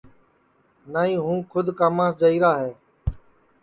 نائی ہوں کُھد کاماس جائیرا ہے